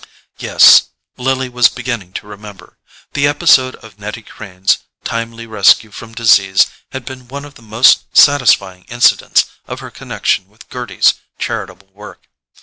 Yes: Lily was beginning to remember. The episode of Nettie Crane's timely rescue from disease had been one of the most satisfying incidents of her connection with Gerty's charitable work.